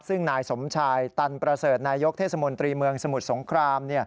ซึ่งนายสมชายตันประเสริฐนายกเทศมนตรีเมืองสมุทรสงคราม